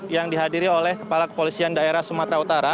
yang dihadiri oleh kepala kepolisian daerah sumatera utara